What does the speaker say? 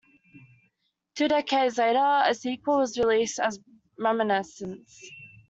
Two decades later, a sequel was released as "Reminiscence".